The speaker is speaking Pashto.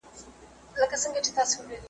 زما ځالۍ چي یې لمبه کړه د باغوان کیسه کومه .